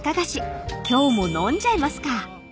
［今日も飲んじゃいますか］